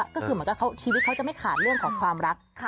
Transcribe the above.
ก็คือเหมือนกับชีวิตเขาจะไม่ขาดเรื่องของความรัก